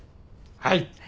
はい。